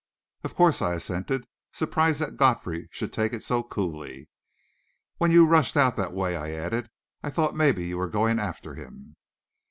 "Of course," I assented, surprised that Godfrey should take it so coolly. "When you rushed out that way," I added, "I thought maybe you were going after him."